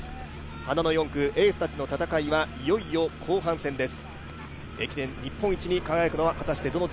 花の４区、エースたちの戦いはいよいよ後半戦です。